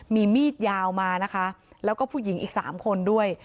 มีมีดยาวมานะคะแล้วก็ผู้หญิงอีก๓คนด้วย